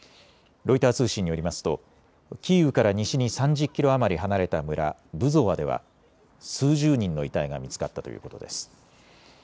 ロイター通信によりますとキーウから西に３０キロ余り離れた村、ブゾワでは数十人の遺体が見つかったということです。